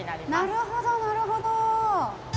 なるほどなるほど。